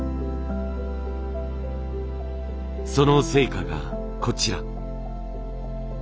その成果がこちら。